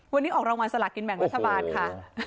วันนี้ออกรางวัลสลากินแบ่งรัฐบาลค่ะ